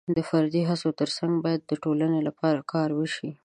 د فردي هڅو ترڅنګ باید د ټولنې لپاره کار وشي.